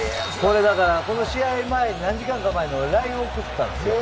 この試合前、何時間か前に俺、ＬＩＮＥ送ったんです。